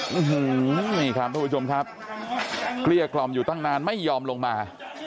อืมนี่ครับทุกผู้ชมครับเกลี้ยกล่อมอยู่ตั้งนานไม่ยอมลงมา